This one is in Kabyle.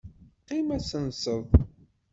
Qqim ad tenseḍ.